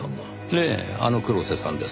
ええあの黒瀬さんです。